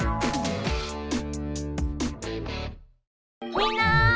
みんな！